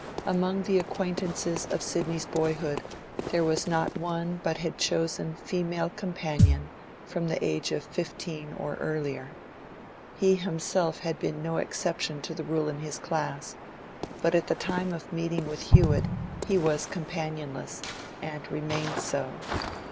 Among the acquaintances of Sidney's boyhood there was not one but had a chosen female companion from the age of fifteen or earlier; he himself had been no exception to the rule in his class, but at the time of meeting with Hewett he was companionless, and remained so.